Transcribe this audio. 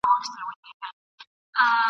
زه لکه چي ژونده ډېر کلونه پوروړی یم !.